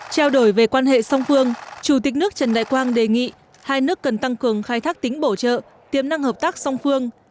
trao đổi về quan hệ song phương chủ tịch nước trần đại quang đề nghị hai nước cần tăng cường khai thác tính bổ trợ tiềm năng hợp tác song phương